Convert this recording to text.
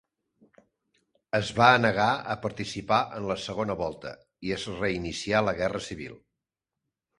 Es va negar a participar en la segona volta, i es reinicià la guerra civil.